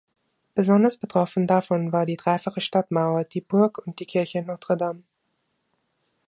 Besonders betroffen davon war die dreifache Stadtmauer, die Burg und die Kirche Notre-Dame.